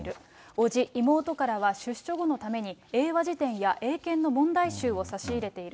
伯父、妹からは、出所後のために、英和辞典や英検の問題集を差し入れている。